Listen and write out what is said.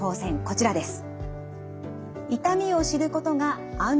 こちらです。